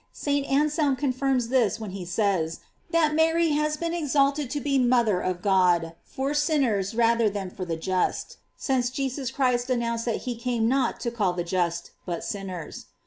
* St. Anselm confirms this when he says that Mary has been exalted to be mother of God for sin ners rather than for the just, since Jesus Christ announced that he came not to call the just, but sinners.